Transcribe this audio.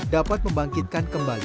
dapat membangkitkan kembali